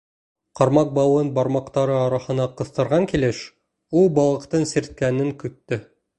Ҡармаҡ бауын бармаҡтары араһына ҡыҫтырған килеш, ул балыҡтың сирткәнен көттө.